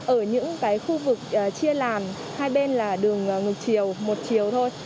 ở những cái khu vực chia làm hai bên là đường ngược chiều một chiều thôi